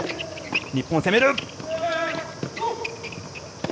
日本、攻める！